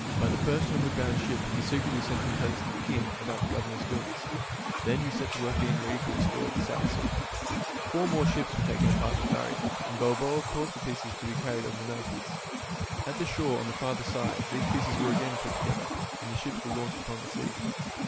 By the first homeward bound ship he secretly sent complaints to the king about the governor's doings. Then he set to work getting ready to explore the South Sea. Four small ships were taken apart at Darien, and Balboa caused the pieces to be carried over the mountains. At the shore on the farther side these pieces were again put together, and the ships were launched upon the sea.